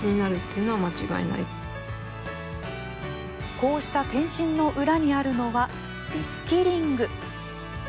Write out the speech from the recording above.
こうした転身の裏にあるのはリスキリング。